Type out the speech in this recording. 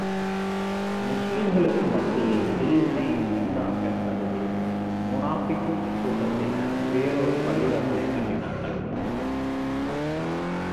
முஸ்லிம்களுக்கு மத்தியில் பிரிவினை உண்டாக்கக் கருதி முனாபிக்குக் கூட்டத்தினர் வேறு ஒரு பள்ளிவாசலைக் கட்டினார்கள்.